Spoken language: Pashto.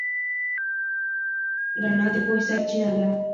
رڼا د پوهې سرچینه ده.